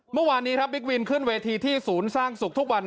เมื่อวานนี้ครับบิ๊กวินขึ้นเวทีที่ศูนย์สร้างสุขทุกวัน